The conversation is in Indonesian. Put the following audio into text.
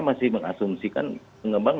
masih mengasumsikan pengembang